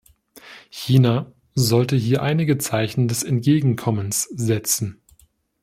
China sollte hier einige Zeichen des Entgegenkommens setzen.